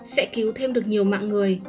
sẽ cứu thêm được nhiều mạng người